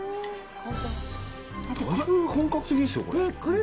だいぶ本格的ですよ、これ。